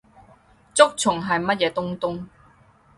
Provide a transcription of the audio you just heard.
竹蟲係乜嘢東東？